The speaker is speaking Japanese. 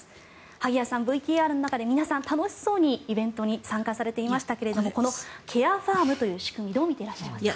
萩谷さん、ＶＴＲの中で皆さん楽しそうにイベントに参加されていましたけどこのケアファームという仕組みをどう見ていらっしゃいますか。